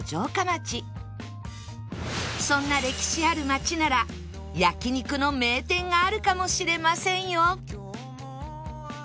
そんな歴史ある町なら焼肉の名店があるかもしれませんよ